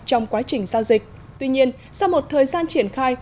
trong quá trình giao dịch tuy nhiên sau một thời gian triển khai